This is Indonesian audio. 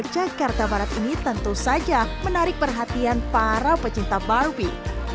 jakarta barat ini tentu saja menarik perhatian para pecinta barbie